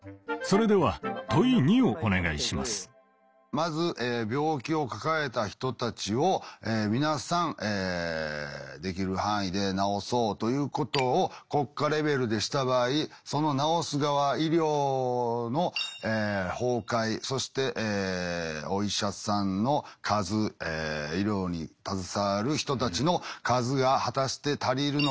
まず病気を抱えた人たちを皆さんできる範囲で治そうということを国家レベルでした場合その治す側医療の崩壊そしてお医者さんの数医療に携わる人たちの数が果たして足りるのか。